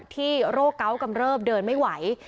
โรคเกาะกำเริบเดินไม่ไหว